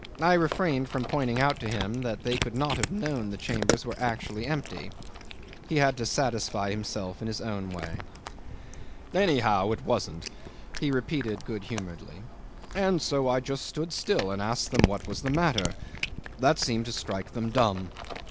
I refrained from pointing out to him that they could not have known the chambers were actually empty. He had to satisfy himself in his own way. ... "Anyhow it wasn't," he repeated good humouredly, "and so I just stood still and asked them what was the matter. That seemed to strike them dumb.